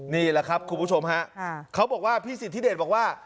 นี่แหละครับคุณผู้ชมฮะเขาบอกว่าพี่สิทธิเดชบอกว่า